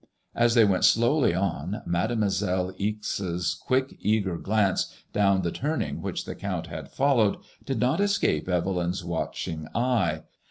As they went slowly on. Mademoiselle Ixe's quick eager glance down the turning which the Count had followed did not escape Evelyn's watching eyes.